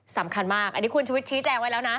สำคัญมากอันนี้คุณชุวิตชี้แจงไว้แล้วนะ